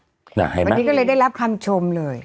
อ่าเห็นไหมวันนี้ก็เลยได้รับคำชมเลย